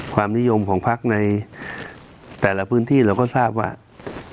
ความนิยมของพักในแต่ละพื้นที่เราก็ทราบว่า